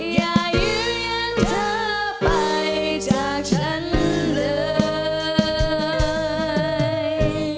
อย่าเยียงเธอไปจากฉันเลย